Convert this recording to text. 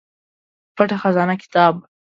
پټه خزانه کتاب